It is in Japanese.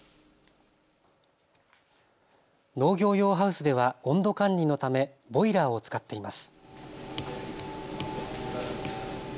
農業用ハウスでは温度管理のためボイラーを使っています。